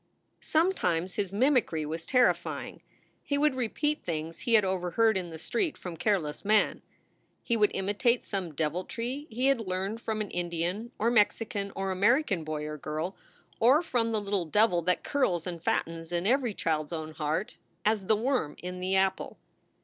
Sometimes his mimicry was terrifying. He would repeat things he had overheard in the street from careless men; he would imitate some deviltry he had learned from an Indian or Mexican or American boy or girl, or from the little devil that curls and fattens in every child s own heart, as the worm in the apple.